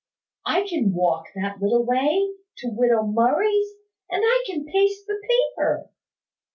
I can walk that little way, to widow Murray's; and I can paste the paper.